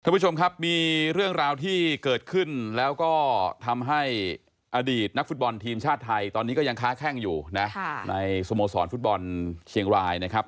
คุณผู้ชมครับมีเรื่องราวที่เกิดขึ้นแล้วก็ทำให้อดีตนักฟุตบอลทีมชาติไทยตอนนี้ก็ยังค้าแข้งอยู่นะในสโมสรฟุตบอลเชียงรายนะครับ